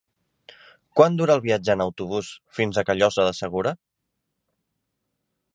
Quant dura el viatge en autobús fins a Callosa de Segura?